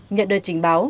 nhận được trình báo